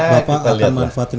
bapak akan manfaatin